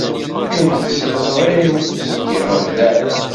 Inqes yeẓri-w seg iɣeblan.